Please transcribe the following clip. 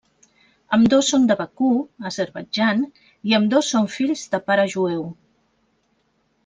Ambdós són de Bakú, Azerbaidjan i ambdós són fills de pare jueu.